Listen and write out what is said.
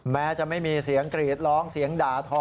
แม้จะไม่มีเสียงกรีดร้องเสียงด่าทอ